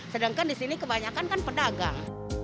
sedangkan di sini kebanyakan kan pedagang